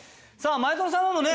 前園さんもね